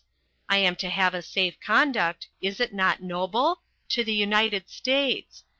I am to have a safe conduct is it not noble? to the United States.